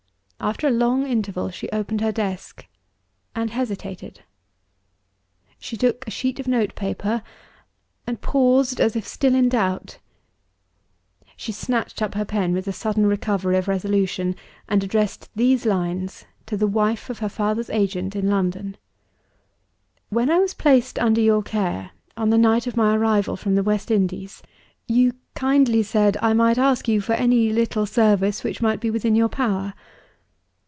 After a long interval, she opened her desk and hesitated. She took a sheet of note paper and paused, as if still in doubt. She snatched up her pen, with a sudden recovery of resolution and addressed these lines to the wife of her father's agent in London: "When I was placed under your care, on the night of my arrival from the West Indies, you kindly said I might ask you for any little service which might be within your power.